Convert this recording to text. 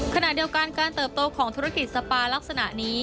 ขณะเดียวกันการเติบโตของธุรกิจสปาลักษณะนี้